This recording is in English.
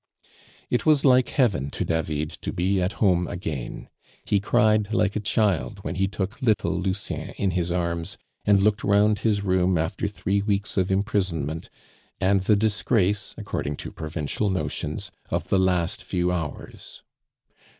It was like heaven to David to be at home again. He cried like a child when he took little Lucien in his arms and looked round his room after three weeks of imprisonment, and the disgrace, according to provincial notions, of the last few hours.